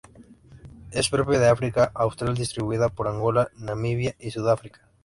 Es propia de África austral, distribuida por Angola, Namibia y Sudáfrica.